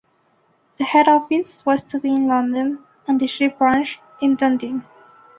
The Head Office was to be in London and the chief branch in Dunedin.